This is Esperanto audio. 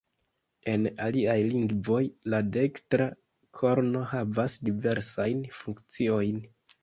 En aliaj lingvoj la dekstra korno havas diversajn funkciojn.